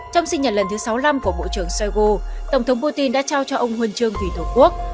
trong sinh nhật lần thứ sáu mươi năm của bộ trưởng shoigu tổng thống putin đã trao cho ông huân trương thủy thổ quốc